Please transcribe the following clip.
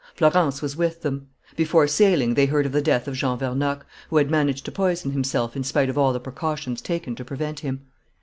Florence was with them. Before sailing they heard of the death of Jean Vernocq, who had managed to poison himself in spite of all the precautions taken to prevent him.